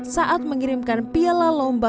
saat mengirimkan piala lomba